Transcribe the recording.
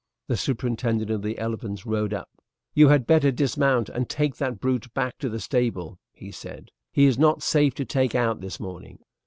The superintendent of the elephants rode up. "You had better dismount and take that brute back to the stable," he said; "he is not safe to take out this morning."